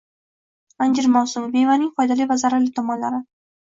Anjir mavsumi: mevaning foydali va zararli tomonlari